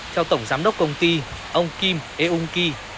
theo tổng giám đốc công ty ông kim eung kỳ